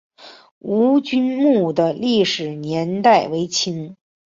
吴郡墓的历史年代为清。